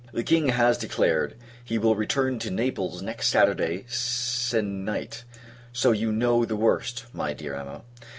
The King has declared, he will return to Naples next Saturday se'n night; so you know the worst, my dear Emma.